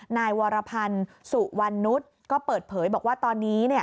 นายวรพันธ์สุวรรณนุษย์ก็เปิดเผยบอกว่าตอนนี้